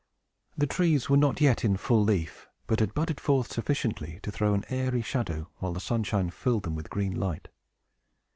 The trees were not yet in full leaf, but had budded forth sufficiently to throw an airy shadow, while the sunshine filled them with green light.